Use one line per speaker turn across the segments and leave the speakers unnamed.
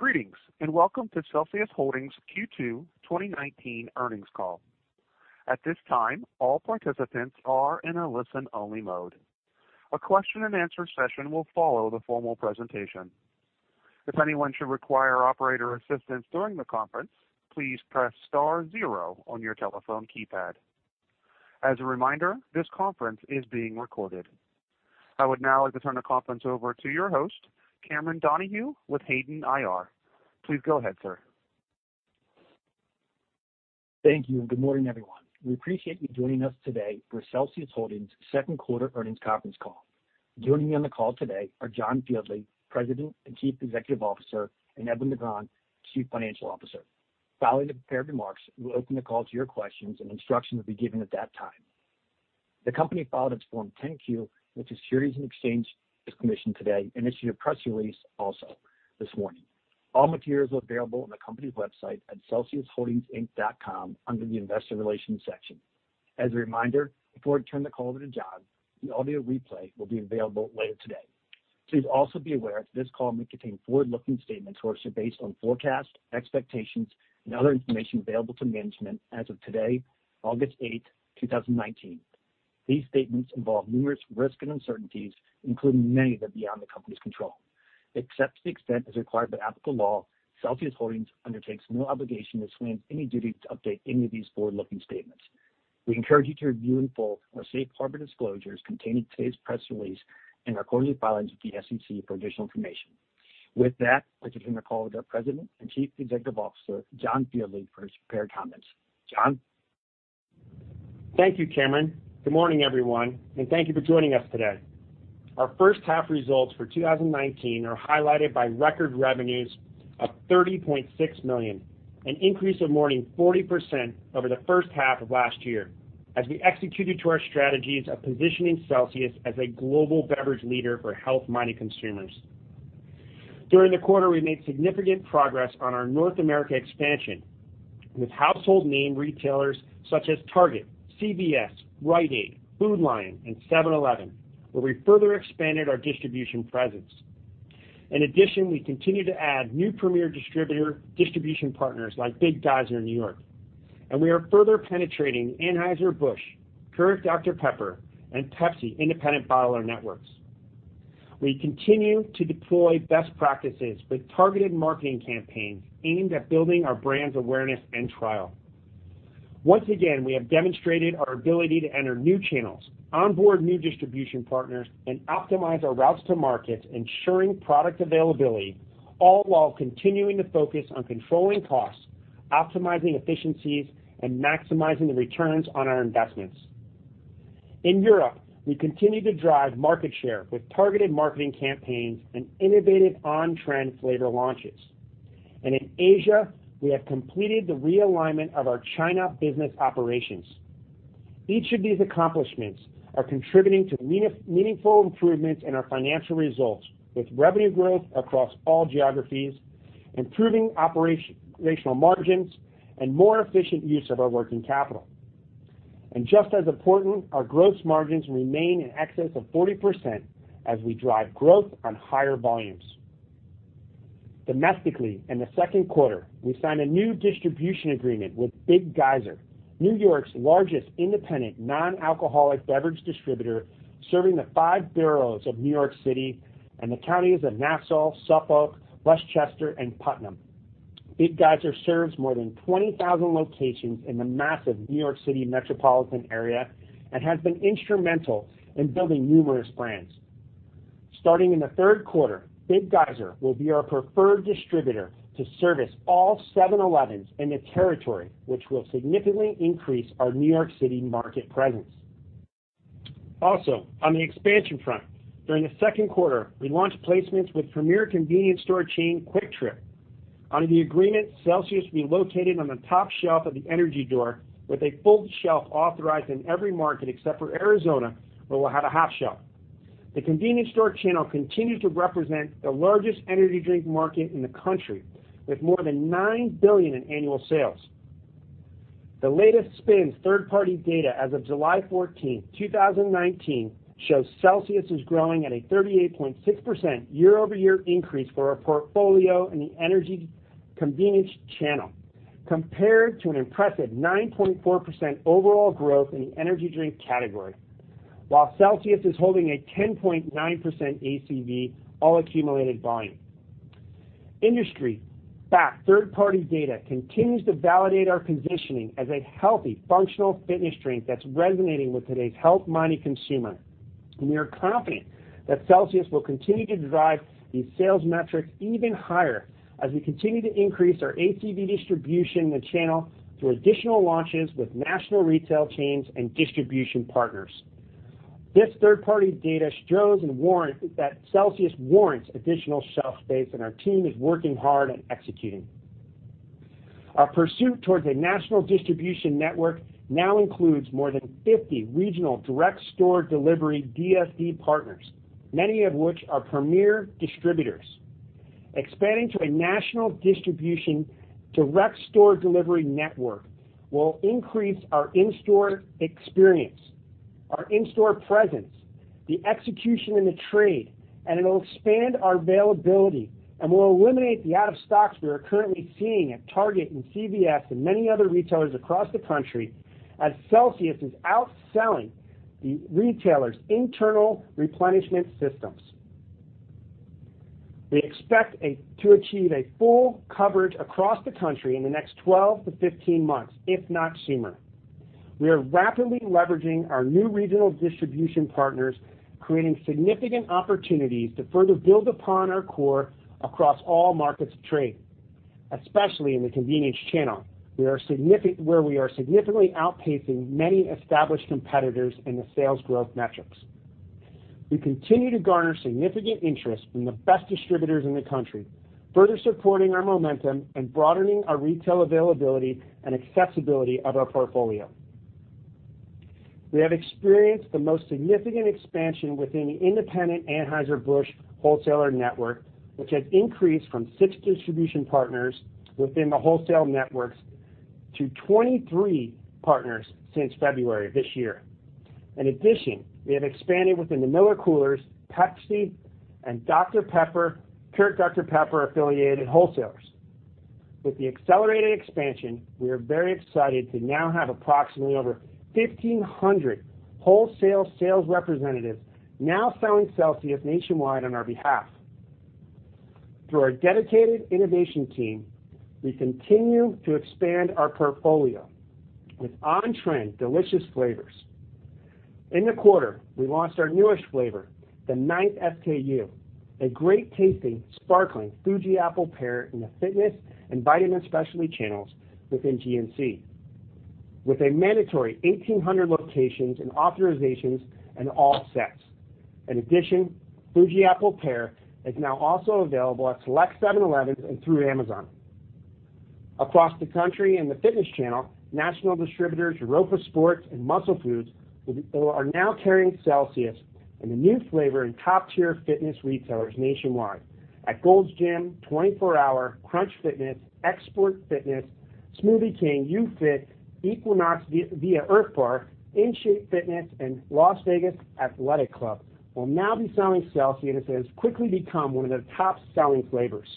Greetings, and welcome to Celsius Holdings' Q2 2019 earnings call. At this time, all participants are in a listen-only mode. A question and answer session will follow the formal presentation. If anyone should require operator assistance during the conference, please press star zero on your telephone keypad. As a reminder, this conference is being recorded. I would now like to turn the conference over to your host, Cameron Donahue, with Hayden IR. Please go ahead, sir.
Thank you. Good morning, everyone. We appreciate you joining us today for Celsius Holdings' second quarter earnings conference call. Joining me on the call today are John Fieldly, President and Chief Executive Officer, and Edwin Negron-Caraballo, Chief Financial Officer. Following the prepared remarks, we'll open the call to your questions, and instruction will be given at that time. The company filed its Form 10-Q with the Securities and Exchange Commission today, and issued a press release also this morning. All materials are available on the company's website at celsiusholdingsinc.com, under the investor relations section. As a reminder, before we turn the call over to John, the audio replay will be available later today. Please also be aware that this call may contain forward-looking statements which are based on forecasts, expectations, and other information available to management as of today, August 8th, 2019. These statements involve numerous risks and uncertainties, including many of them beyond the company's control. Except to the extent as required by applicable law, Celsius Holdings undertakes no obligation and assumes any duty to update any of these forward-looking statements. We encourage you to review in full our safe harbor disclosures contained in today's press release and our quarterly filings with the SEC for additional information. With that, I'll turn the call over to our President and Chief Executive Officer, John Fieldly, for his prepared comments. John?
Thank you, Cameron. Good morning, everyone, and thank you for joining us today. Our first half results for 2019 are highlighted by record revenues of $30.6 million, an increase of more than 40% over the first half of last year, as we executed to our strategies of positioning Celsius as a global beverage leader for health-minded consumers. During the quarter, we made significant progress on our North America expansion with household name retailers such as Target, CVS, Rite Aid, Food Lion, and 7-Eleven, where we further expanded our distribution presence. We continue to add new premier distribution partners like Big Geyser in New York, and we are further penetrating Anheuser-Busch, Keurig Dr Pepper, and Pepsi independent bottler networks. We continue to deploy best practices with targeted marketing campaigns aimed at building our brand's awareness and trial. Once again, we have demonstrated our ability to enter new channels, onboard new distribution partners, and optimize our routes to market, ensuring product availability, all while continuing to focus on controlling costs, optimizing efficiencies, and maximizing the returns on our investments. In Europe, we continue to drive market share with targeted marketing campaigns and innovative on-trend flavor launches. In Asia, we have completed the realignment of our China business operations. Each of these accomplishments are contributing to meaningful improvements in our financial results, with revenue growth across all geographies, improving operational margins, and more efficient use of our working capital. Just as important, our gross margins remain in excess of 40% as we drive growth on higher volumes. Domestically, in the second quarter, we signed a new distribution agreement with Big Geyser, New York's largest independent non-alcoholic beverage distributor, serving the five boroughs of New York City and the counties of Nassau, Suffolk, Westchester, and Putnam. Big Geyser serves more than 20,000 locations in the massive New York City metropolitan area and has been instrumental in building numerous brands. Starting in the third quarter, Big Geyser will be our preferred distributor to service all 7-Elevens in the territory, which will significantly increase our New York City market presence. On the expansion front, during the second quarter, we launched placements with premier convenience store chain QuikTrip. Under the agreement, Celsius will be located on the top shelf of the energy door with a full shelf authorized in every market except for Arizona, where we'll have a half shelf. The convenience store channel continues to represent the largest energy drink market in the country, with more than $9 billion in annual sales. The latest SPINS third-party data as of July 14th, 2019, shows Celsius is growing at a 38.6% year-over-year increase for our portfolio in the energy convenience channel, compared to an impressive 9.4% overall growth in the energy drink category. While Celsius is holding a 10.9% ACV, all accumulated volume. Industry fact third-party data continues to validate our positioning as a healthy, functional fitness drink that's resonating with today's health-minded consumer. We are confident that Celsius will continue to drive these sales metrics even higher as we continue to increase our ACV distribution in the channel through additional launches with national retail chains and distribution partners. This third-party data shows and warrants that Celsius warrants additional shelf space, and our team is working hard on executing. Our pursuit towards a national distribution network now includes more than 50 regional direct store delivery DSD partners, many of which are premier distributors. Expanding to a national distribution direct store delivery network will increase our in-store presence, the execution in the trade, and it'll expand our availability and will eliminate the out-of-stocks we are currently seeing at Target and CVS and many other retailers across the country, as Celsius is outselling the retailers' internal replenishment systems. We expect to achieve a full coverage across the country in the next 12 to 15 months, if not sooner. We are rapidly leveraging our new regional distribution partners, creating significant opportunities to further build upon our core across all markets of trade, especially in the convenience channel, where we are significantly outpacing many established competitors in the sales growth metrics. We continue to garner significant interest from the best distributors in the country, further supporting our momentum and broadening our retail availability and accessibility of our portfolio. We have experienced the most significant expansion within the independent Anheuser-Busch wholesaler network, which has increased from six distribution partners within the wholesale networks to 23 partners since February of this year. We have expanded within the MillerCoolers, Pepsi, and Dr Pepper, current Dr Pepper-affiliated wholesalers. With the accelerated expansion, we are very excited to now have approximately over 1,500 wholesale sales representatives now selling Celsius nationwide on our behalf. Through our dedicated innovation team, we continue to expand our portfolio with on-trend delicious flavors. In the quarter, we launched our newest flavor, the ninth SKU, a great-tasting Sparkling Fuji Apple Pear in the fitness and vitamin specialty channels within GNC. With a mandatory 1,800 locations and authorizations in all sets. In addition, Fuji Apple Pear is now also available at select 7-Elevens and through Amazon. Across the country in the fitness channel, national distributors Europa Sports and Muscle Foods are now carrying Celsius in the new flavor in top-tier fitness retailers nationwide. At Gold's Gym, 24 Hour, Crunch Fitness, Xperience Fitness, Smoothie King, YouFit, Equinox via Earthbar, In-Shape Fitness, and Las Vegas Athletic Club will now be selling Celsius as it has quickly become one of their top-selling flavors.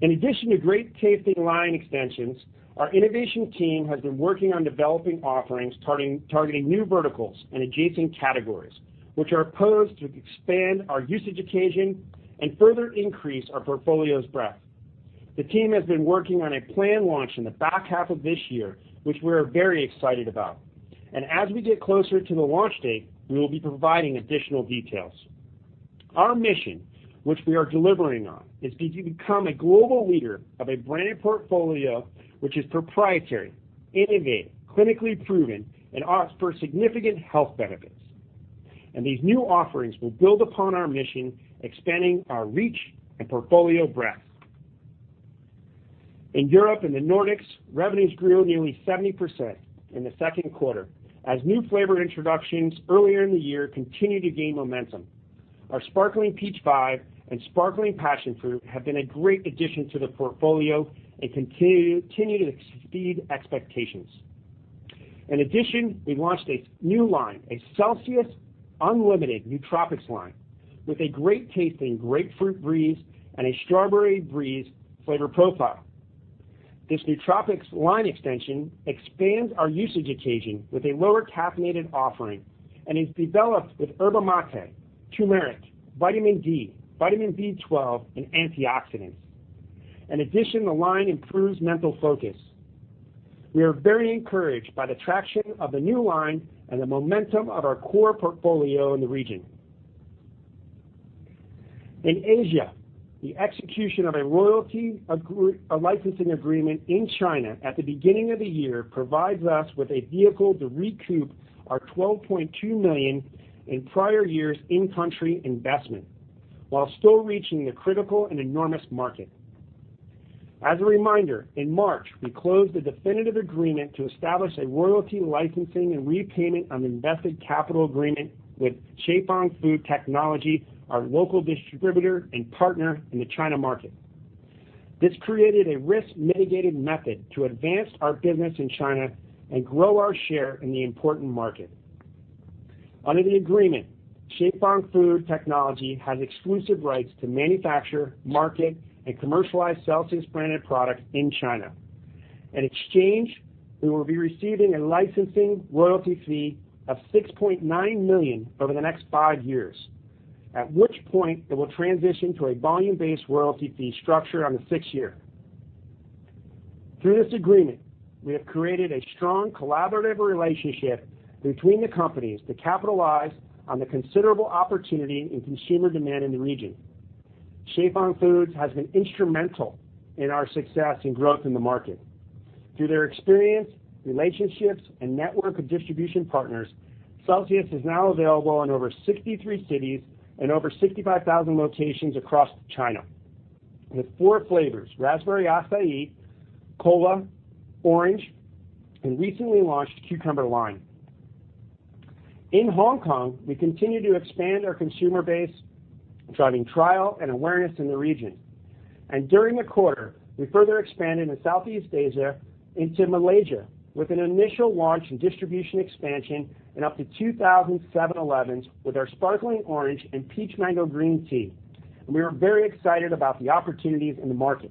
In addition to great-tasting line extensions, our innovation team has been working on developing offerings targeting new verticals and adjacent categories, which are poised to expand our usage occasion and further increase our portfolio's breadth. The team has been working on a planned launch in the back half of this year, which we're very excited about. As we get closer to the launch date, we will be providing additional details. Our mission, which we are delivering on, is to become a global leader of a branded portfolio which is proprietary, innovative, clinically proven, and offers significant health benefits. These new offerings will build upon our mission, expanding our reach and portfolio breadth. In Europe and the Nordics, revenues grew nearly 70% in the second quarter as new flavor introductions earlier in the year continue to gain momentum. Our Sparkling Peach Vibe and Sparkling Mango Passionfruit have been a great addition to the portfolio and continue to exceed expectations. In addition, we launched a new line, a Celsius Unlimited Nootropics line with a great-tasting grapefruit breeze and a strawberry breeze flavor profile. This nootropics line extension expands our usage occasion with a lower caffeinated offering and is developed with Yerba Mate, turmeric, vitamin D, vitamin B12, and antioxidants. The line improves mental focus. We are very encouraged by the traction of the new line and the momentum of our core portfolio in the region. In Asia, the execution of a royalty licensing agreement in China at the beginning of the year provides us with a vehicle to recoup our $12.2 million in prior years in-country investment while still reaching the critical and enormous market. As a reminder, in March, we closed the definitive agreement to establish a royalty licensing and repayment on invested capital agreement with Qifeng Food Technology, our local distributor and partner in the China market. This created a risk-mitigated method to advance our business in China and grow our share in the important market. Under the agreement, Qifeng Food Technology has exclusive rights to manufacture, market, and commercialize Celsius branded products in China. In exchange, we will be receiving a licensing royalty fee of $6.9 million over the next five years, at which point it will transition to a volume-based royalty fee structure on the sixth year. Through this agreement, we have created a strong collaborative relationship between the companies to capitalize on the considerable opportunity in consumer demand in the region. Qifeng Food has been instrumental in our success and growth in the market. Through their experience, relationships, and network of distribution partners, Celsius is now available in over 63 cities and over 65,000 locations across China with four flavors, Raspberry Acai, cola, Orange, and recently launched Cucumber Lime. In Hong Kong, we continue to expand our consumer base, driving trial and awareness in the region. During the quarter, we further expanded in Southeast Asia into Malaysia with an initial launch and distribution expansion into 2,000 7-Elevens with our Sparkling Orange and Peach Mango Green Tea. We are very excited about the opportunities in the market.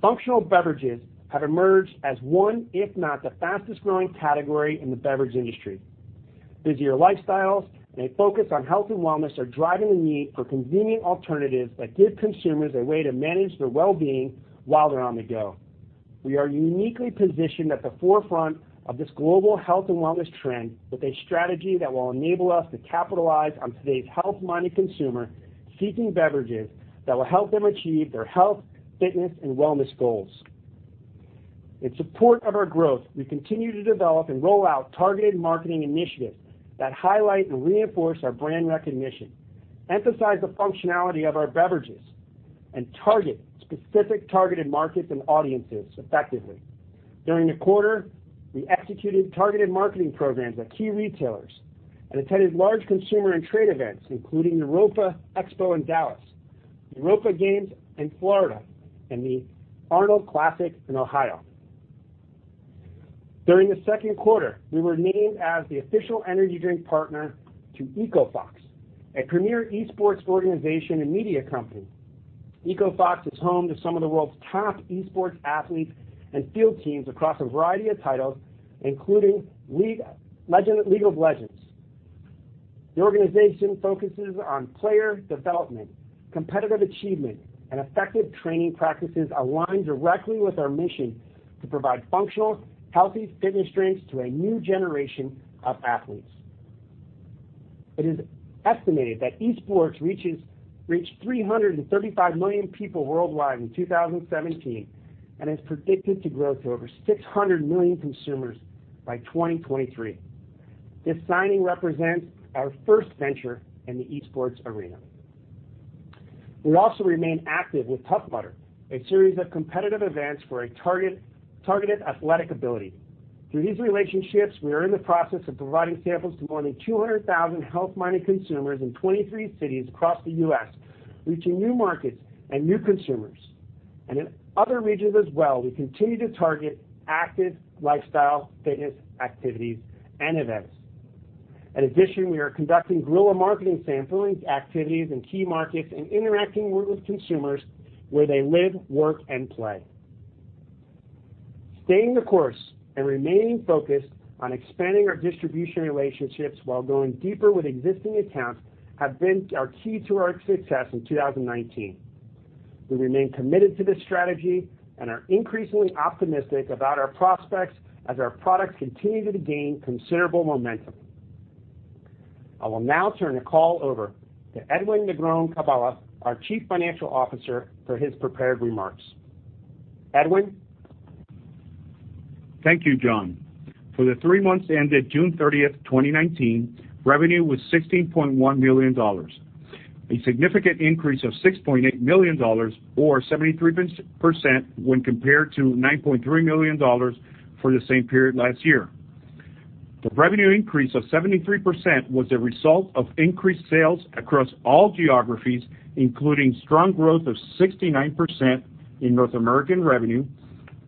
Functional beverages have emerged as one, if not the fastest growing category in the beverage industry. Busier lifestyles and a focus on health and wellness are driving the need for convenient alternatives that give consumers a way to manage their wellbeing while they're on the go. We are uniquely positioned at the forefront of this global health and wellness trend with a strategy that will enable us to capitalize on today's health-minded consumer seeking beverages that will help them achieve their health, fitness, and wellness goals. In support of our growth, we continue to develop and roll out targeted marketing initiatives that highlight and reinforce our brand recognition, emphasize the functionality of our beverages, and target specific targeted markets and audiences effectively. During the quarter, we executed targeted marketing programs at key retailers and attended large consumer and trade events, including Europa Expo in Dallas, Europa Games in Florida, and the Arnold Classic in Ohio. During the second quarter, we were named as the official energy drink partner to Echo Fox, a premier esports organization and media company. Echo Fox is home to some of the world's top esports athletes and field teams across a variety of titles, including League of Legends. The organization focuses on player development, competitive achievement, and effective training practices aligned directly with our mission to provide functional, healthy fitness drinks to a new generation of athletes. It is estimated that esports reached 335 million people worldwide in 2017 and is predicted to grow to over 600 million consumers by 2023. This signing represents our first venture in the esports arena. We also remain active with Tough Mudder, a series of competitive events for a targeted athletic ability. Through these relationships, we are in the process of providing samples to more than 200,000 health-minded consumers in 23 cities across the U.S., reaching new markets and new consumers. In other regions as well, we continue to target active lifestyle fitness activities and events. In addition, we are conducting guerrilla marketing sampling activities in key markets and interacting with consumers where they live, work, and play. Staying the course and remaining focused on expanding our distribution relationships while going deeper with existing accounts have been our key to our success in 2019. We remain committed to this strategy and are increasingly optimistic about our prospects as our products continue to gain considerable momentum. I will now turn the call over to Edwin Negron-Caraballo, our Chief Financial Officer, for his prepared remarks. Edwin?
Thank you, John. For the three months ended June 30th, 2019, revenue was $16.1 million, a significant increase of $6.8 million, or 73%, when compared to $9.3 million for the same period last year. The revenue increase of 73% was a result of increased sales across all geographies, including strong growth of 69% in North American revenue,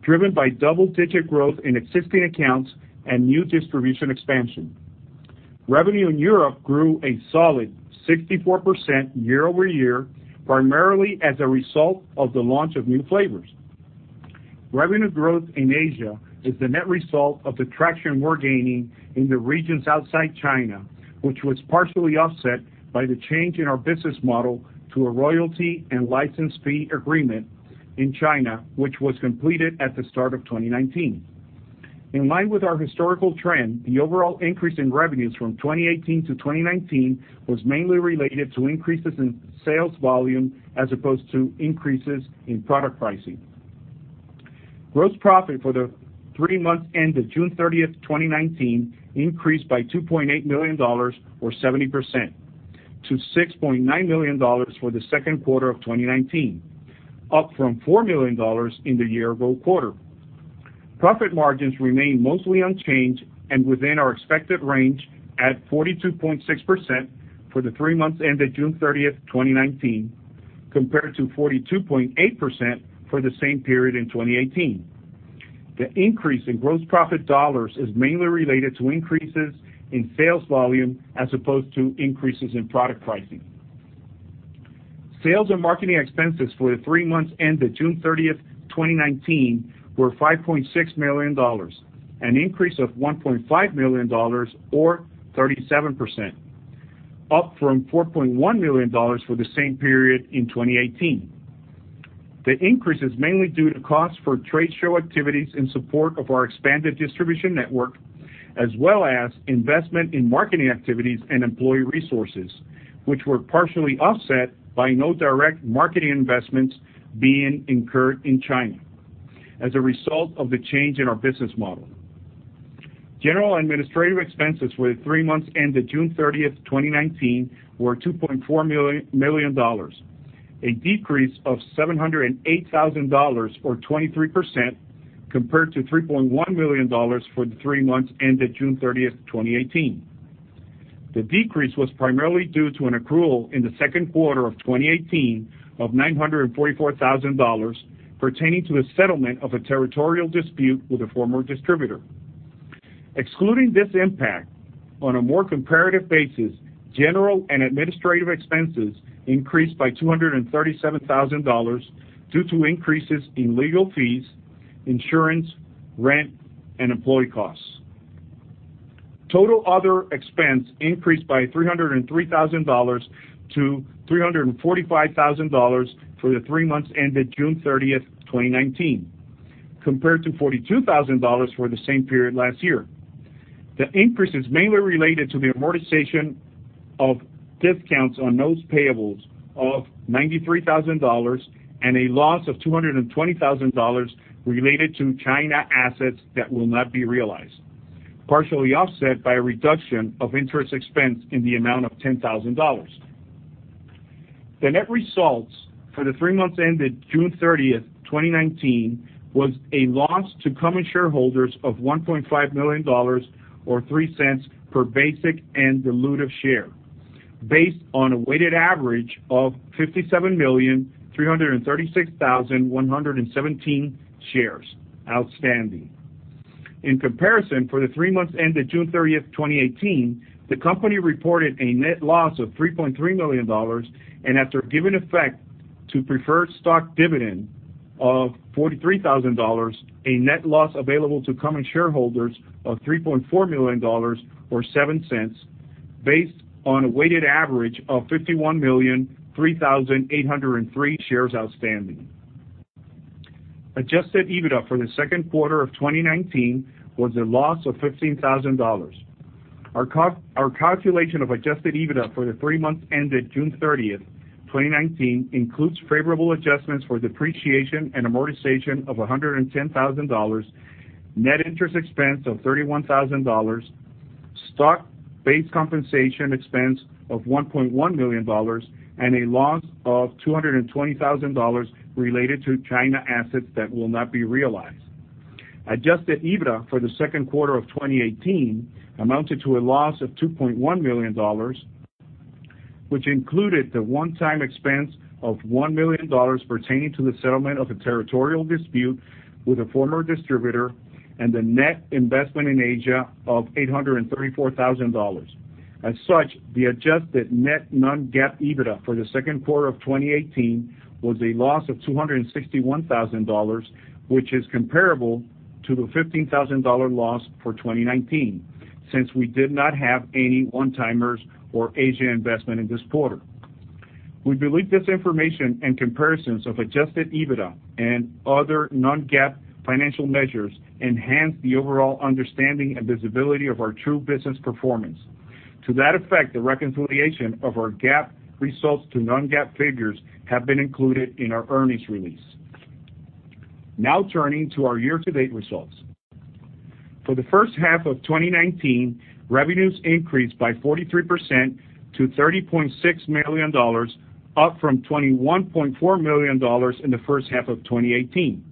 driven by double-digit growth in existing accounts and new distribution expansion. Revenue in Europe grew a solid 64% year-over-year, primarily as a result of the launch of new flavors. Revenue growth in Asia is the net result of the traction we're gaining in the regions outside China, which was partially offset by the change in our business model to a royalty and license fee agreement in China, which was completed at the start of 2019. In line with our historical trend, the overall increase in revenues from 2018 to 2019 was mainly related to increases in sales volume as opposed to increases in product pricing. Gross profit for the three months ended June 30th, 2019 increased by $2.8 million, or 70%, to $6.9 million for the second quarter of 2019, up from $4 million in the year-ago quarter. Profit margins remain mostly unchanged and within our expected range at 42.6% for the three months ended June 30th, 2019, compared to 42.8% for the same period in 2018. The increase in gross profit dollars is mainly related to increases in sales volume as opposed to increases in product pricing. Sales and marketing expenses for the three months ended June 30th, 2019 were $5.6 million, an increase of $1.5 million or 37%, up from $4.1 million for the same period in 2018. The increase is mainly due to cost for trade show activities in support of our expanded distribution network, as well as investment in marketing activities and employee resources, which were partially offset by no direct marketing investments being incurred in China as a result of the change in our business model. General administrative expenses for the three months ended June 30th, 2019 were $2.4 million. A decrease of $708,000 or 23%, compared to $3.1 million for the three months ended June 30th, 2018. The decrease was primarily due to an accrual in the second quarter of 2018 of $944,000 pertaining to a settlement of a territorial dispute with a former distributor. Excluding this impact, on a more comparative basis, general and administrative expenses increased by $237,000 due to increases in legal fees, insurance, rent, and employee costs. Total other expense increased by $303,000 to $345,000 for the three months ended June 30th, 2019, compared to $42,000 for the same period last year. The increase is mainly related to the amortization of discounts on those payables of $93,000 and a loss of $220,000 related to China assets that will not be realized, partially offset by a reduction of interest expense in the amount of $10,000. The net results for the three months ended June 30th, 2019, was a loss to common shareholders of $1.5 million or $0.03 per basic and dilutive share, based on a weighted average of 57,336,117 shares outstanding. In comparison, for the three months ended June 30th, 2018, the company reported a net loss of $3.3 million and after giving effect to preferred stock dividend of $43,000, a net loss available to common shareholders of $3.4 million or $0.07 based on a weighted average of 51,003,803 shares outstanding. Adjusted EBITDA for the second quarter of 2019 was a loss of $15,000. Our calculation of adjusted EBITDA for the three months ended June 30th, 2019, includes favorable adjustments for depreciation and amortization of $110,000, net interest expense of $31,000, stock-based compensation expense of $1.1 million, and a loss of $220,000 related to China assets that will not be realized. Adjusted EBITDA for the second quarter of 2018 amounted to a loss of $2.1 million, which included the one-time expense of $1 million pertaining to the settlement of a territorial dispute with a former distributor and the net investment in Asia of $834,000. As such, the adjusted net non-GAAP EBITDA for the second quarter of 2018 was a loss of $261,000, which is comparable to the $15,000 loss for 2019, since we did not have any one-timers or Asia investment in this quarter. We believe this information and comparisons of adjusted EBITDA and other non-GAAP financial measures enhance the overall understanding and visibility of our true business performance. To that effect, the reconciliation of our GAAP results to non-GAAP figures have been included in our earnings release. Turning to our year-to-date results. For the first half of 2019, revenues increased by 43% to $30.6 million, up from $21.4 million in the first half of 2018.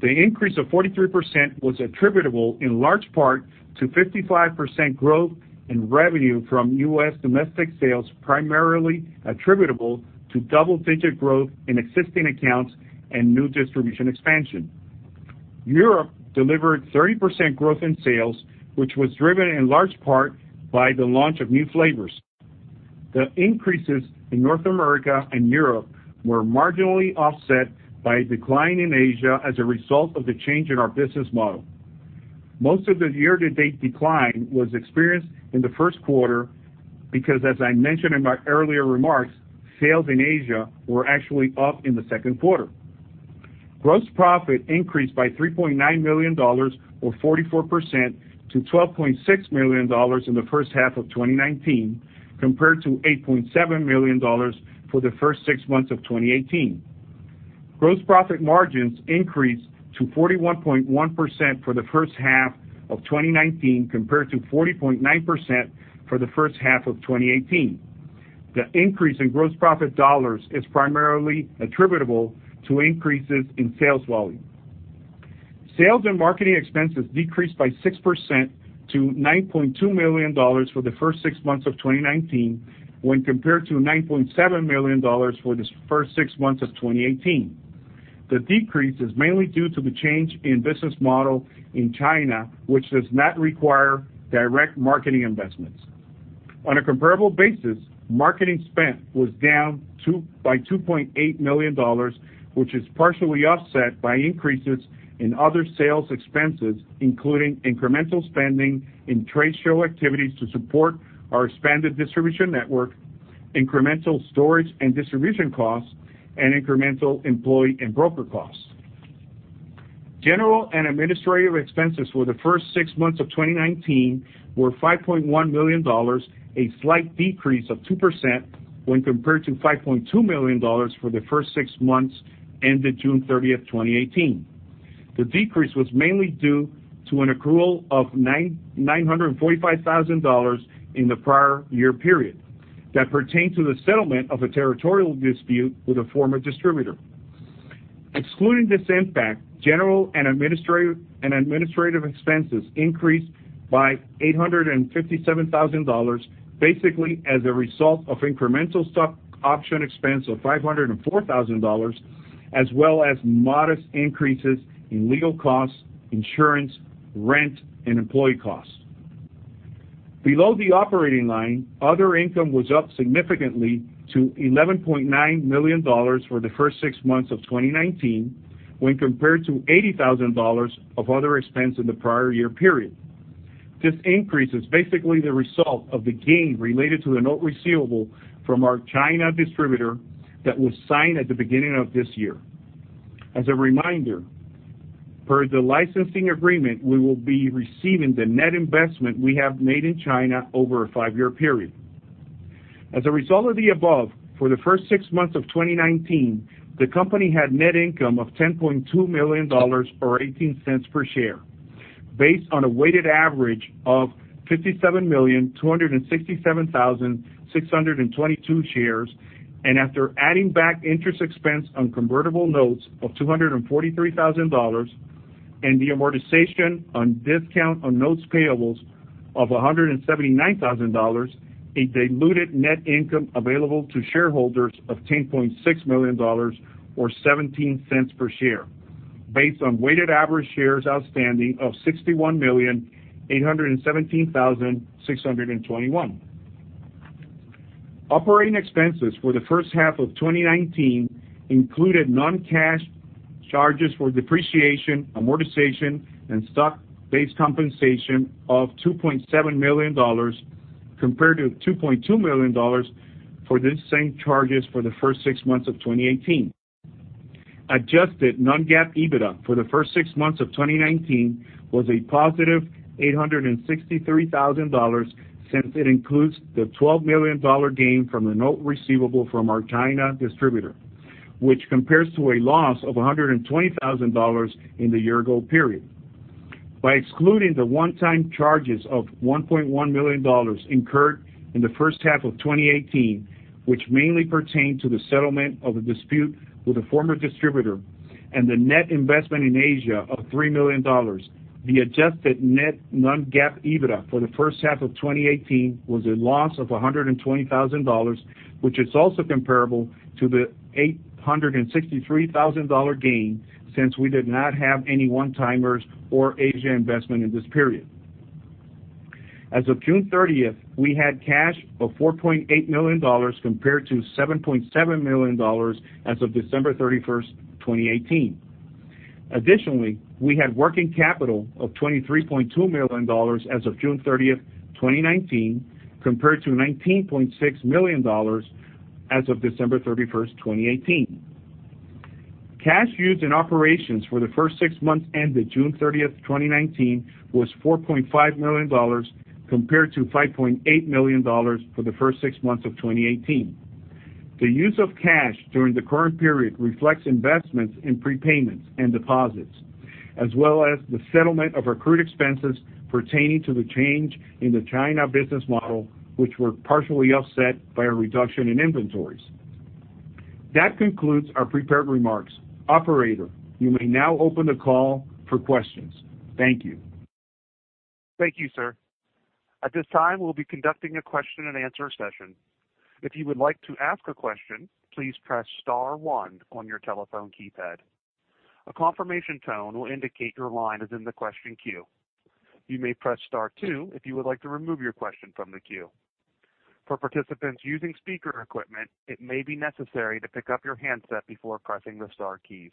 The increase of 43% was attributable in large part to 55% growth in revenue from U.S. domestic sales, primarily attributable to double-digit growth in existing accounts and new distribution expansion. Europe delivered 30% growth in sales, which was driven in large part by the launch of new flavors. The increases in North America and Europe were marginally offset by a decline in Asia as a result of the change in our business model. Most of the year-to-date decline was experienced in the first quarter because, as I mentioned in my earlier remarks, sales in Asia were actually up in the second quarter. Gross profit increased by $3.9 million or 44% to $12.6 million in the first half of 2019, compared to $8.7 million for the first six months of 2018. Gross profit margins increased to 41.1% for the first half of 2019, compared to 40.9% for the first half of 2018. The increase in gross profit dollars is primarily attributable to increases in sales volume. Sales and marketing expenses decreased by 6% to $9.2 million for the first six months of 2019 when compared to $9.7 million for the first six months of 2018. The decrease is mainly due to the change in business model in China, which does not require direct marketing investments. On a comparable basis, marketing spend was down by $2.8 million, which is partially offset by increases in other sales expenses, including incremental spending in trade show activities to support our expanded distribution network, incremental storage and distribution costs, and incremental employee and broker costs. General and administrative expenses for the first six months of 2019 were $5.1 million, a slight decrease of 2% when compared to $5.2 million for the first six months ended June 30th, 2018. The decrease was mainly due to an accrual of $945,000 in the prior year period that pertained to the settlement of a territorial dispute with a former distributor. Excluding this impact, general and administrative expenses increased by $857,000, basically as a result of incremental stock option expense of $504,000, as well as modest increases in legal costs, insurance, rent, and employee costs. Below the operating line, other income was up significantly to $11.9 million for the first six months of 2019 when compared to $80,000 of other expense in the prior year period. This increase is basically the result of the gain related to the note receivable from our China distributor that was signed at the beginning of this year. As a reminder, per the licensing agreement, we will be receiving the net investment we have made in China over a five-year period. As a result of the above, for the first six months of 2019, the company had net income of $10.2 million, or $0.18 per share, based on a weighted average of 57,267,622 shares, and after adding back interest expense on convertible notes of $243,000 and the amortization on discount on notes payables of $179,000, a diluted net income available to shareholders of $10.6 million or $0.17 per share, based on weighted average shares outstanding of 61,817,621. Operating expenses for the first half of 2019 included non-cash charges for depreciation, amortization, and stock-based compensation of $2.7 million, compared to $2.2 million for these same charges for the first six months of 2018. Adjusted non-GAAP EBITDA for the first six months of 2019 was a positive $863,000, since it includes the $12 million gain from the note receivable from our China distributor, which compares to a loss of $120,000 in the year-ago period. By excluding the one-time charges of $1.1 million incurred in the first half of 2018, which mainly pertained to the settlement of a dispute with a former distributor and the net investment in Asia of $3 million, the adjusted net non-GAAP EBITDA for the first half of 2018 was a loss of $120,000, which is also comparable to the $863,000 gain, since we did not have any one-timers or Asia investment in this period. As of June 30th, we had cash of $4.8 million, compared to $7.7 million as of December 31st, 2018. Additionally, we had working capital of $23.2 million as of June 30th, 2019, compared to $19.6 million as of December 31st, 2018. Cash used in operations for the first six months ended June 30th, 2019, was $4.5 million, compared to $5.8 million for the first six months of 2018. The use of cash during the current period reflects investments in prepayments and deposits, as well as the settlement of accrued expenses pertaining to the change in the China business model, which were partially offset by a reduction in inventories. That concludes our prepared remarks. Operator, you may now open the call for questions. Thank you.
Thank you, sir. At this time, we'll be conducting a question and answer session. If you would like to ask a question, please press *1 on your telephone keypad. A confirmation tone will indicate your line is in the question queue. You may press *2 if you would like to remove your question from the queue. For participants using speaker equipment, it may be necessary to pick up your handset before pressing the star keys.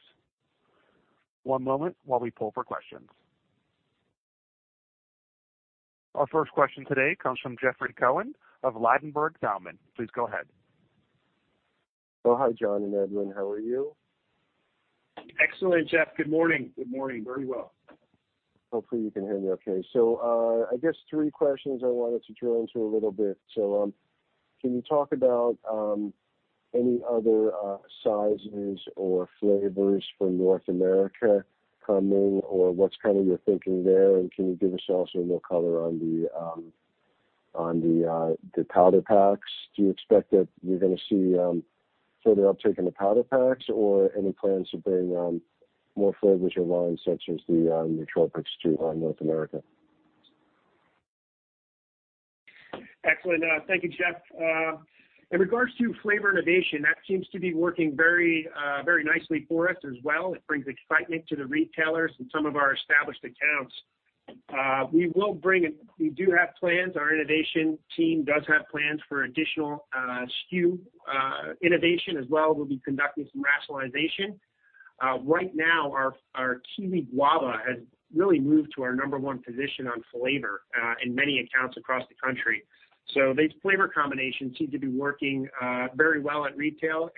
One moment while we pull for questions. Our first question today comes from Jeffrey Cohen of Ladenburg Thalmann. Please go ahead.
Oh, hi, John and Edwin. How are you?
Excellent, Jeff. Good morning. Good morning. Very well.
Hopefully you can hear me okay. I guess three questions I wanted to drill into a little bit. Can you talk about any other sizes or flavors for North America coming, or what's kind of your thinking there? Can you give us also a little color on the powder packs? Do you expect that you're going to see further uptake in the powder packs, or any plans to bring more flavors your line, such as the tropics to North America?
Excellent. Thank you, Jeff. In regards to flavor innovation, that seems to be working very nicely for us as well. It brings excitement to the retailers and some of our established accounts. We do have plans. Our innovation team does have plans for additional SKU innovation as well. We'll be conducting some rationalization. Right now, our Kiwi Guava has really moved to our number 1 position on flavor in many accounts across the country. These flavor combinations seem to be working very well at retail.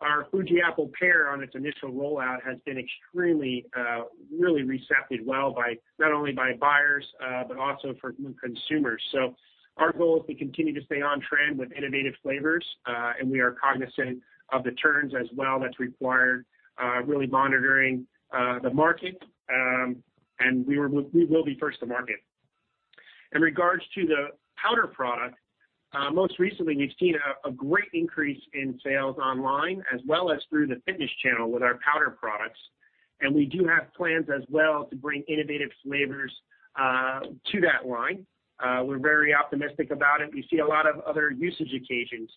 Our Fuji Apple Pear on its initial rollout has been extremely, really received well, not only by buyers, but also for new consumers. Our goal is we continue to stay on trend with innovative flavors, and we are cognizant of the turns as well that's required, really monitoring the market, and we will be first to market. In regards to the powder product, most recently, we've seen a great increase in sales online as well as through the fitness channel with our powder products. We do have plans as well to bring innovative flavors to that line. We're very optimistic about it. We see a lot of other usage occasions.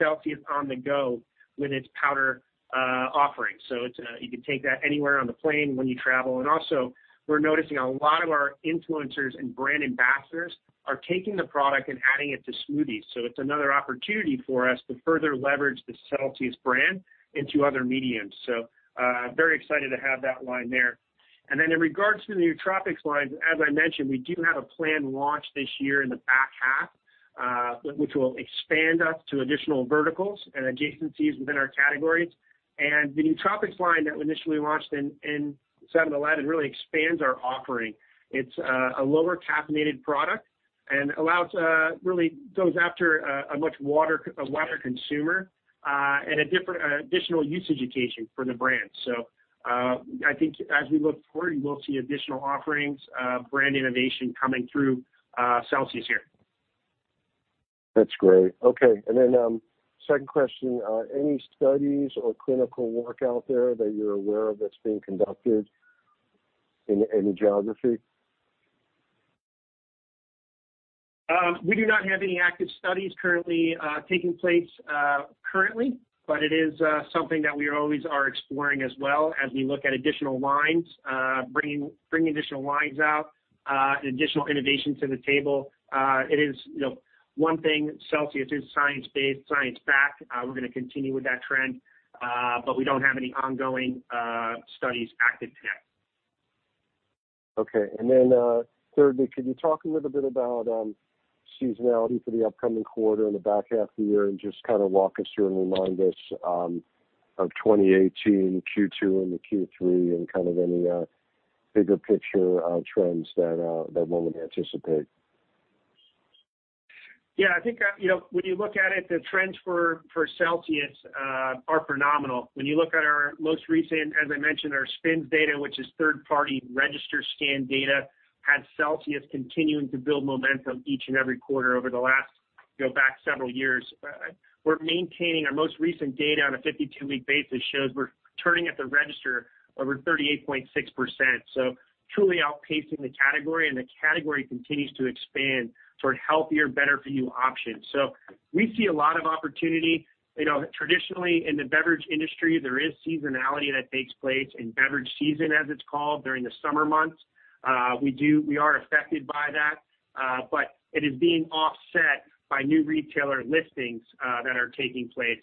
Celsius on the go with its powder offering. You can take that anywhere on the plane when you travel. Also we're noticing a lot of our influencers and brand ambassadors are taking the product and adding it to smoothies. It's another opportunity for us to further leverage the Celsius brand into other mediums. Very excited to have that line there. In regards to the nootropics lines, as I mentioned, we do have a planned launch this year in the back half, which will expand us to additional verticals and adjacencies within our categories. The nootropics line that we initially launched in 2017, 2011, really expands our offering. It's a lower caffeinated product and really goes after a much wider consumer, and an additional usage occasion for the brand. I think as we look forward, you will see additional offerings, brand innovation coming through Celsius here.
That's great. Okay. Second question. Any studies or clinical work out there that you're aware of that's being conducted in any geography?
We do not have any active studies currently taking place currently, it is something that we always are exploring as well as we look at additional lines, bringing additional lines out, and additional innovation to the table. One thing, Celsius is science-based, science-backed. We're going to continue with that trend. We don't have any ongoing studies active today.
Okay. Thirdly, could you talk a little bit about seasonality for the upcoming quarter in the back half of the year and just kind of walk us through and remind us of 2018 Q2 and the Q3 and kind of any bigger picture trends that one would anticipate?
Yeah. I think when you look at it, the trends for Celsius are phenomenal. When you look at our most recent, as I mentioned, our SPINS data, which is third-party register scan data, has Celsius continuing to build momentum each and every quarter over the last, back several years. We're maintaining our most recent data on a 52-week basis shows we're turning at the register over 38.6%. Truly outpacing the category. The category continues to expand toward healthier, better for you options. Traditionally in the beverage industry, there is seasonality that takes place in beverage season, as it's called, during the summer months. We are affected by that. It is being offset by new retailer listings that are taking place.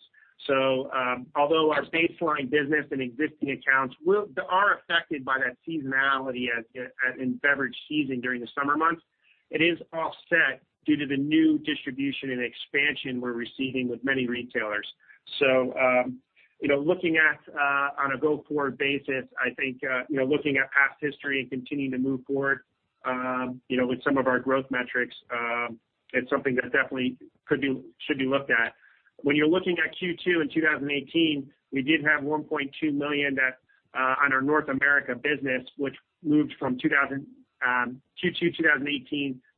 Although our baseline business and existing accounts are affected by that seasonality as in beverage season during the summer months, it is offset due to the new distribution and expansion we're receiving with many retailers. Looking at on a go-forward basis, I think, looking at past history and continuing to move forward, with some of our growth metrics, it's something that definitely should be looked at. When you're looking at Q2 in 2018, we did have $1.2 million on our North America business, which moved from Q2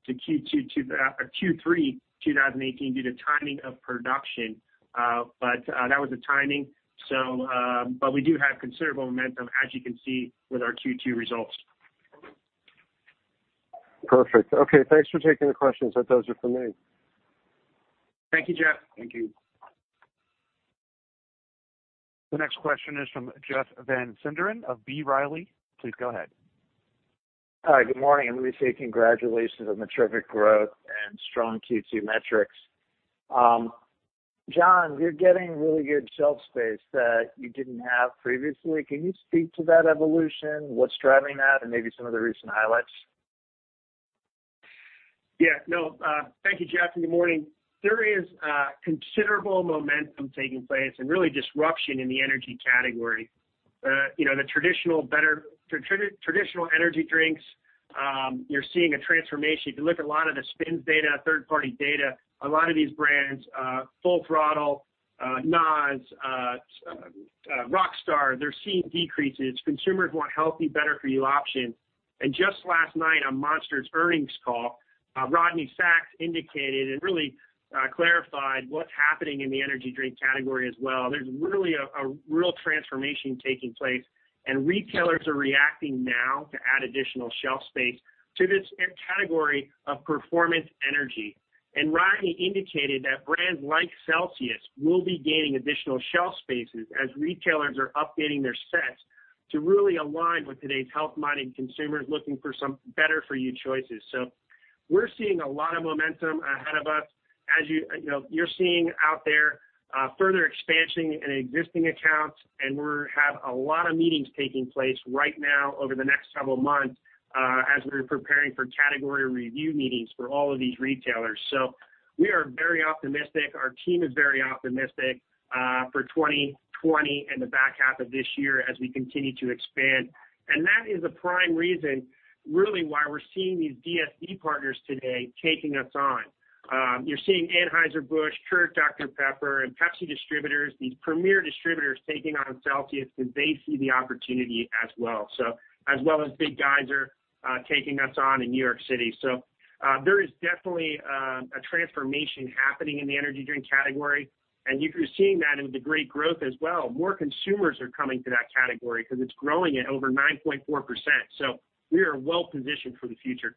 2018 to Q3 2018 due to timing of production. That was the timing. We do have considerable momentum, as you can see with our Q2 results.
Perfect. Okay. Thanks for taking the questions. That those are for me.
Thank you, Jeff.
Thank you.
The next question is from Jeff Van Sinderen of B. Riley. Please go ahead.
Hi. Good morning. Let me say congratulations on the terrific growth and strong Q2 metrics. John, you're getting really good shelf space that you didn't have previously. Can you speak to that evolution, what's driving that, and maybe some of the recent highlights?
Yeah. No. Thank you, Jeff, and good morning. There is considerable momentum taking place and really disruption in the energy category. The traditional energy drinks, you're seeing a transformation. If you look at a lot of the SPINS data, third-party data, a lot of these brands, Full Throttle, NOS, Rockstar, they're seeing decreases. Consumers want healthy, better for you options. Just last night on Monster's earnings call, Rodney Sacks indicated and really clarified what's happening in the energy drink category as well. There's really a real transformation taking place, and retailers are reacting now to add additional shelf space to this category of performance energy. Rodney indicated that brands like Celsius will be gaining additional shelf spaces as retailers are updating their sets to really align with today's health-minded consumers looking for some better for you choices. We're seeing a lot of momentum ahead of us. As you're seeing out there, further expansion in existing accounts, and we have a lot of meetings taking place right now over the next several months, as we're preparing for category review meetings for all of these retailers. We are very optimistic. Our team is very optimistic, for 2020 and the back half of this year as we continue to expand. That is a prime reason really why we're seeing these DSD partners today taking us on. You're seeing Anheuser-Busch, Keurig Dr Pepper, and Pepsi distributors, these premier distributors taking on Celsius because they see the opportunity as well. As well as Big Geyser are taking us on in New York City. There is definitely a transformation happening in the energy drink category, and you're seeing that in the great growth as well. More consumers are coming to that category because it's growing at over 9.4%. We are well-positioned for the future.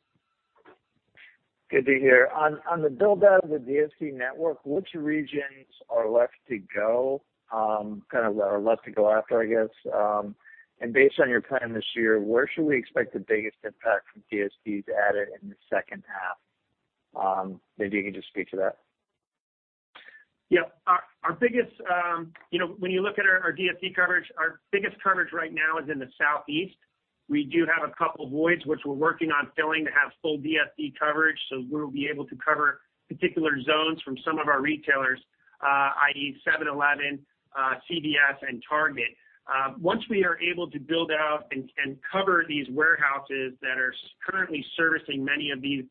Good to hear. On the build-out of the DSD network, which regions are left to go after? Based on your plan this year, where should we expect the biggest impact from DSD to add it in the second half? Maybe you can just speak to that.
Yeah. When you look at our DSD coverage, our biggest coverage right now is in the Southeast. We do have a couple voids, which we're working on filling to have full DSD coverage, so we'll be able to cover particular zones from some of our retailers, i.e., 7-Eleven, CVS, and Target. Once we are able to build out and cover these warehouses that are currently servicing many of these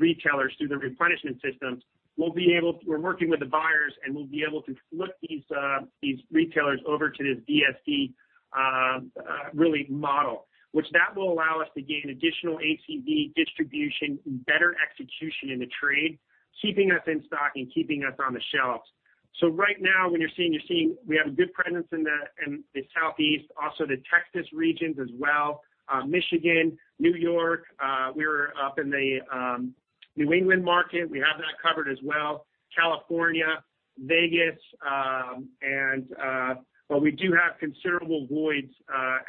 retailers through the replenishment systems, we're working with the buyers, we'll be able to flip these retailers over to this DSD model. Which that will allow us to gain additional ACV distribution and better execution in the trade, keeping us in stock and keeping us on the shelves. Right now, you're seeing we have a good presence in the Southeast, also the Texas regions as well, Michigan, New York. We're up in the New England market. We have that covered as well. California, Vegas, but we do have considerable voids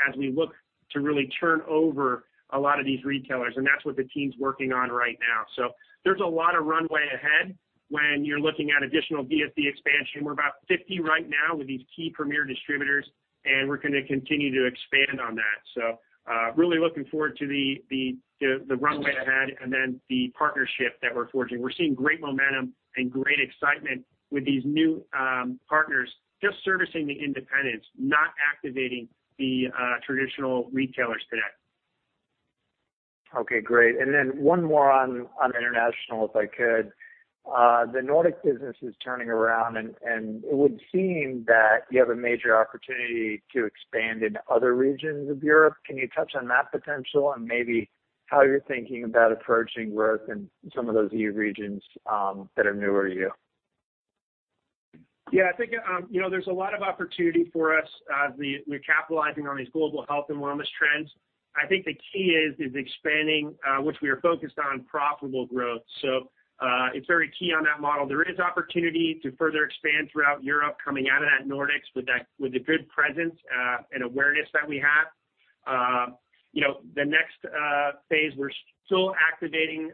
as we look to really turn over a lot of these retailers, and that's what the team's working on right now. There's a lot of runway ahead when you're looking at additional DSD expansion. We're about 50 right now with these key premier distributors, and we're going to continue to expand on that. Really looking forward to the runway ahead and then the partnership that we're forging. We're seeing great momentum and great excitement with these new partners, just servicing the independents, not activating the traditional retailers today.
Okay, great. One more on international, if I could. The Nordic business is turning around, and it would seem that you have a major opportunity to expand into other regions of Europe. Can you touch on that potential and maybe how you're thinking about approaching growth in some of those EU regions that are new to you?
Yeah, I think there's a lot of opportunity for us as we're capitalizing on these global health and wellness trends. I think the key is expanding, which we are focused on profitable growth. It's very key on that model. There is opportunity to further expand throughout Europe coming out of that Nordics with the good presence and awareness that we have. The next phase, we're still activating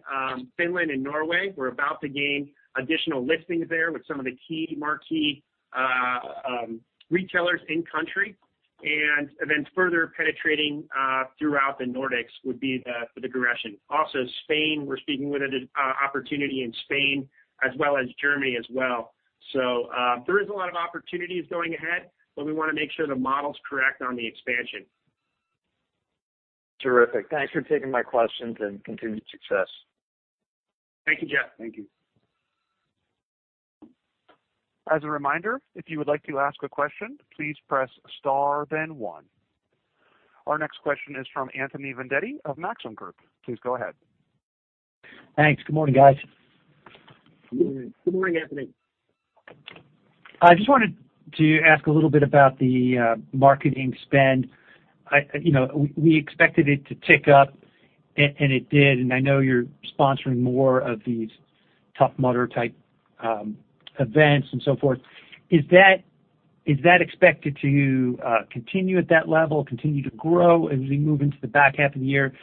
Finland and Norway. We're about to gain additional listings there with some of the key marquee retailers in-country, and then further penetrating throughout the Nordics would be the direction. Spain, we're speaking with an opportunity in Spain, as well as Germany as well. There is a lot of opportunities going ahead, but we want to make sure the model's correct on the expansion.
Terrific. Thanks for taking my questions. Continued success.
Thank you, Jeff.
Thank you.
As a reminder, if you would like to ask a question, please press star then one. Our next question is from Anthony Vendetti of Maxim Group. Please go ahead.
Thanks. Good morning, guys.
Good morning, Anthony.
I just wanted to ask a little bit about the marketing spend. We expected it to tick up, and it did, and I know you're sponsoring more of these Tough Mudder type events and so forth. Is that expected to continue at that level, continue to grow as we move into the back half of the year?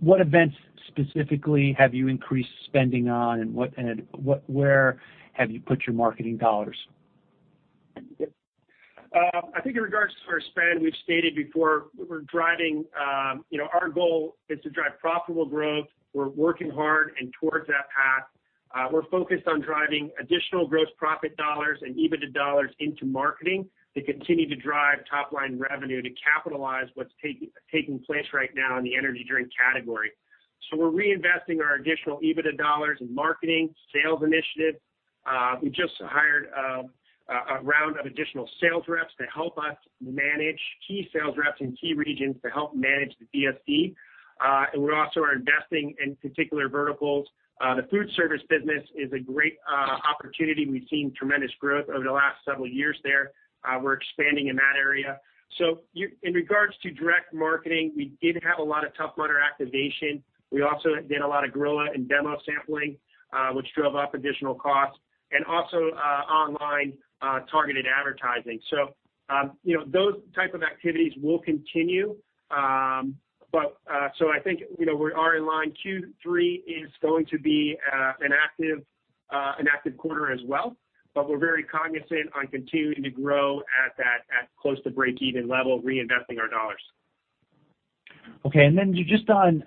What events specifically have you increased spending on, and where have you put your marketing dollars?
I think in regards to our spend, we've stated before, our goal is to drive profitable growth. We're working hard and towards that path. We're focused on driving additional gross profit dollars and EBITDA dollars into marketing to continue to drive top-line revenue to capitalize what's taking place right now in the energy drink category. We're reinvesting our additional EBITDA dollars in marketing, sales initiatives. We just hired a round of additional sales reps to help us manage key sales reps in key regions to help manage the DSD. We also are investing in particular verticals. The food service business is a great opportunity. We've seen tremendous growth over the last several years there. We're expanding in that area. In regards to direct marketing, we did have a lot of Tough Mudder activation. We also did a lot of guerrilla and demo sampling, which drove up additional costs, and also online targeted advertising. Those type of activities will continue. I think we are in line. Q3 is going to be an active quarter as well, but we're very cognizant on continuing to grow at that close to breakeven level, reinvesting our dollars.
Okay, just on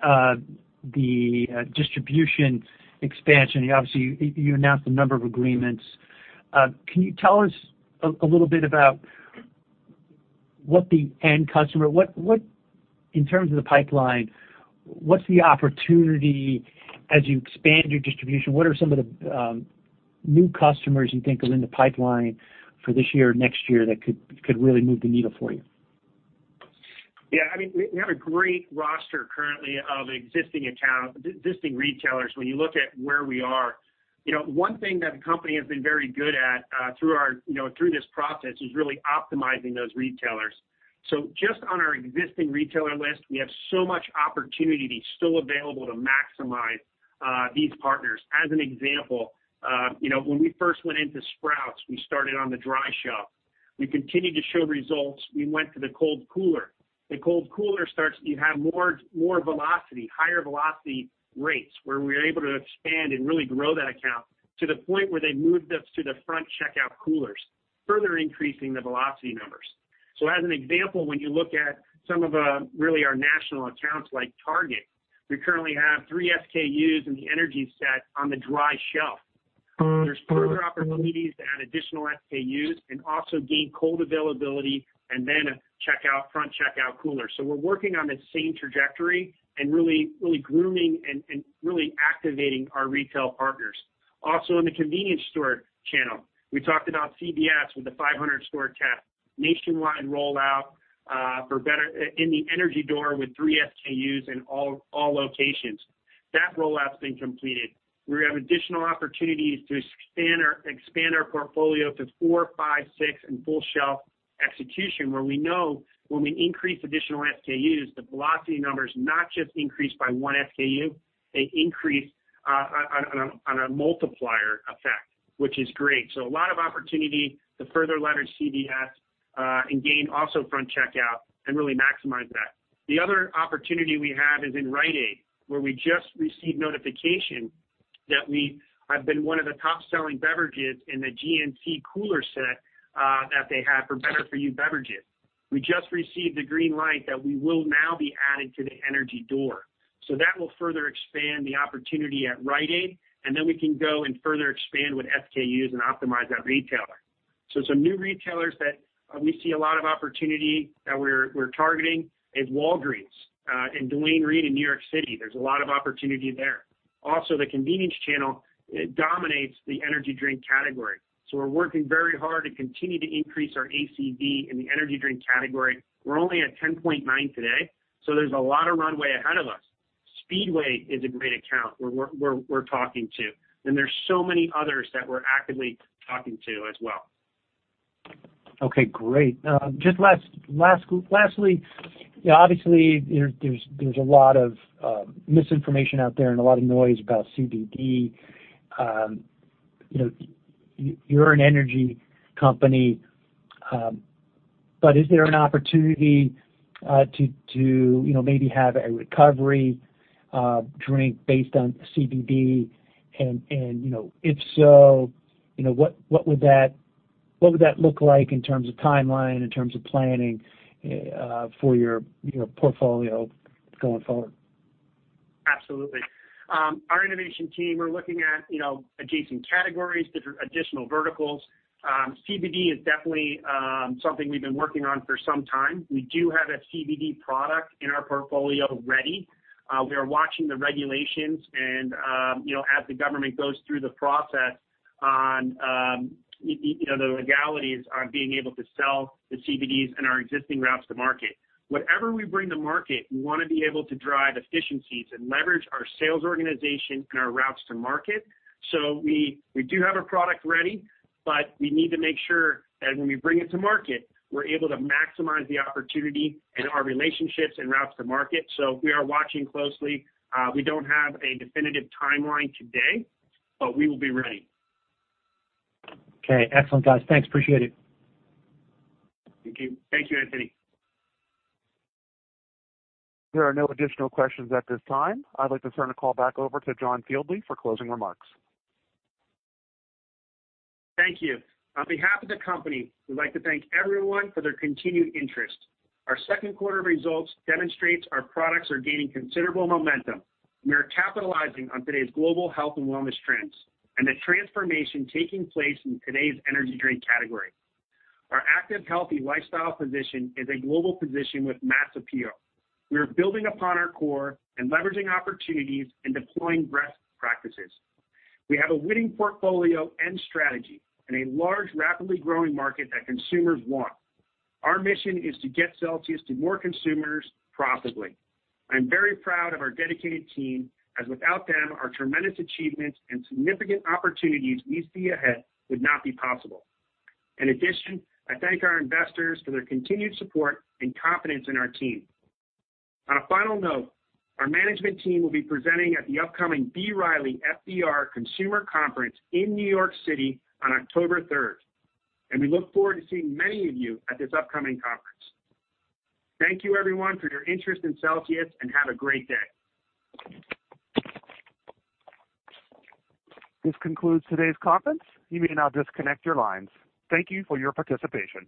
the distribution expansion, obviously, you announced a number of agreements. Can you tell us a little bit about what, in terms of the pipeline, what's the opportunity as you expand your distribution? What are some of the new customers you think are in the pipeline for this year or next year that could really move the needle for you?
Yeah, we have a great roster currently of existing retailers. When you look at where we are, one thing that the company has been very good at through this process is really optimizing those retailers. Just on our existing retailer list, we have so much opportunity still available to maximize these partners. As an example, when we first went into Sprouts, we started on the dry shelf. We continued to show results, we went to the cold cooler. The cold cooler starts, you have more velocity, higher velocity rates, where we were able to expand and really grow that account to the point where they moved us to the front checkout coolers, further increasing the velocity numbers. As an example, when you look at some of our national accounts like Target, we currently have 3 SKUs in the energy set on the dry shelf. There's further opportunities to add additional SKUs and also gain cold availability and then a front checkout cooler. We're working on the same trajectory and really grooming and really activating our retail partners. Also in the convenience store channel, we talked about CVS with the 500 store count nationwide rollout, in the energy door with three SKUs in all locations. That rollout's been completed. We have additional opportunities to expand our portfolio to four, five, six in full shelf execution, where we know when we increase additional SKUs, the velocity numbers not just increase by one SKU, they increase on a multiplier effect, which is great. A lot of opportunity to further leverage CVS, and gain also front checkout and really maximize that. The other opportunity we have is in Rite Aid, where we just received notification that we have been one of the top selling beverages in the GNT cooler set that they have for better-for-you beverages. We just received the green light that we will now be added to the energy door. That will further expand the opportunity at Rite Aid, and then we can go and further expand with SKUs and optimize that retailer. Some new retailers that we see a lot of opportunity that we're targeting is Walgreens and Duane Reade in New York City. There's a lot of opportunity there. Also, the convenience channel dominates the energy drink category. We're working very hard to continue to increase our ACV in the energy drink category. We're only at 10.9 today, so there's a lot of runway ahead of us. Speedway is a great account we're talking to. There's so many others that we're actively talking to as well.
Okay, great. Just lastly, obviously, there's a lot of misinformation out there and a lot of noise about CBD. Is there an opportunity to maybe have a recovery drink based on CBD? If so, what would that look like in terms of timeline, in terms of planning for your portfolio going forward?
Absolutely. Our innovation team are looking at adjacent categories, additional verticals. CBD is definitely something we've been working on for some time. We do have a CBD product in our portfolio ready. We are watching the regulations and, as the government goes through the process on the legalities on being able to sell the CBDs and our existing routes to market. Whatever we bring to market, we want to be able to drive efficiencies and leverage our sales organization and our routes to market. We do have a product ready, but we need to make sure that when we bring it to market, we're able to maximize the opportunity and our relationships and routes to market. We are watching closely. We don't have a definitive timeline today, but we will be ready.
Okay. Excellent, guys. Thanks. Appreciate it.
Thank you, Anthony.
There are no additional questions at this time. I'd like to turn the call back over to John Fieldly for closing remarks.
Thank you. On behalf of the company, we'd like to thank everyone for their continued interest. Our second quarter results demonstrates our products are gaining considerable momentum. We are capitalizing on today's global health and wellness trends, and the transformation taking place in today's energy drink category. Our active, healthy lifestyle position is a global position with mass appeal. We are building upon our core and leveraging opportunities and deploying best practices. We have a winning portfolio and strategy in a large, rapidly growing market that consumers want. Our mission is to get Celsius to more consumers profitably. I'm very proud of our dedicated team, as without them, our tremendous achievements and significant opportunities we see ahead would not be possible. In addition, I thank our investors for their continued support and confidence in our team. On a final note, our management team will be presenting at the upcoming B. Riley FBR Consumer Conference in New York City on October 3rd, and we look forward to seeing many of you at this upcoming conference. Thank you everyone for your interest in Celsius, and have a great day.
This concludes today's conference. You may now disconnect your lines. Thank you for your participation.